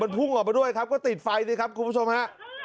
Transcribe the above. พุ่งออกมาด้วยครับก็ติดไฟสิครับคุณผู้ชมฮะ